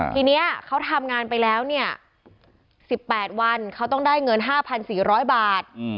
ทีนี้เขาทำงานไปแล้วเนี่ย๑๘วันเขาต้องได้เงิน๕๔๐๐บาท